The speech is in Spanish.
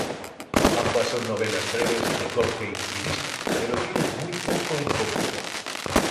Ambas son novelas breves de corte intimista, pero tienen muy poco en común.